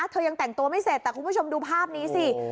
ยังแต่งตัวไม่เสร็จแต่คุณผู้ชมดูภาพนี้สิ